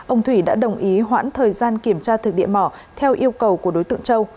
ông thủy đã đồng ý hoãn thời gian kiểm tra thực địa mỏ theo yêu cầu của đối tượng châu